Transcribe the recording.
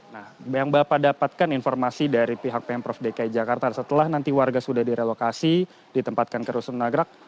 nah yang bapak dapatkan informasi dari pihak pemprov dki jakarta setelah nanti warga sudah direlokasi ditempatkan ke rusun nagrak